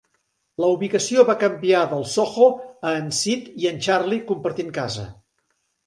La ubicació va canviar del Soho a en Sid i en Charlie compartint casa.